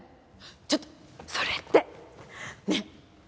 ちょっとそれってねえ。